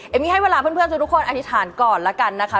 มี่ให้เวลาเพื่อนทุกคนอธิษฐานก่อนแล้วกันนะคะ